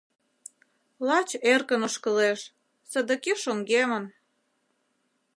Лач эркын ошкылеш — содыки шоҥгемын.